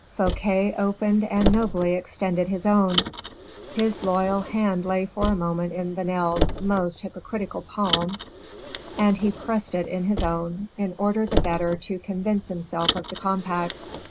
Fouquet opened and nobly extended his own; this loyal hand lay for a moment in Vanel's most hypocritical palm, and he pressed it in his own, in order the better to convince himself of the compact.